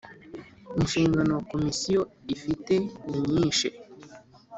Inshingano Komisiyo ifite ninyishe.